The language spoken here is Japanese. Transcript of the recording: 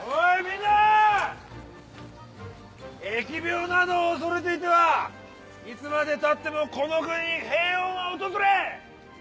疫病など恐れていてはいつまでたってもこの国に平穏は訪れん！